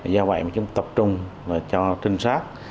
do vậy chúng tập trung cho trinh sát